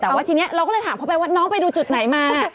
แต่ว่าทีนี้เราก็เลยถามเขาไปว่าน้องไปดูจุดไหนมา